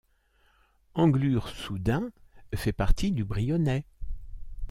Anglure-sous-Dun fait partie du Brionnais.